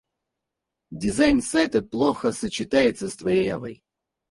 Дизайн сайта плохо сочетается с твоей авой.